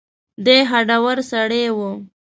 دی هډور سړی و.